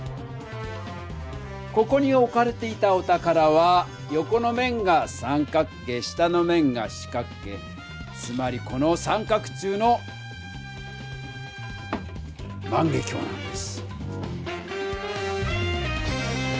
ここにおかれていたお宝は横の面が三角形下の面が四角形つまりこの三角柱の万華鏡なんです！